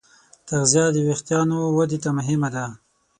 تغذیه د وېښتیانو ودې ته مهمه ده.